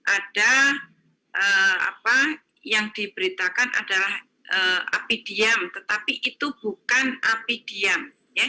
ada apa yang diberitakan adalah api diam tetapi itu bukan api diam